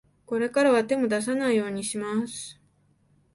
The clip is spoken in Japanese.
これからは、手も出さないようにします。